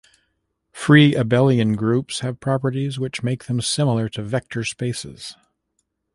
Free abelian groups have properties which make them similar to vector spaces.